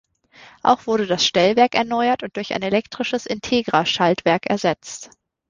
Auch wurde das Stellwerk erneuert und durch ein elektrisches Integra-Schalterwerk ersetzt.